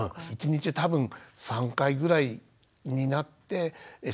１日多分３回ぐらいになって次第に２回。